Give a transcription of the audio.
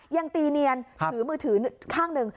ยังตีเนียนถือมือถือข้างหนึ่ง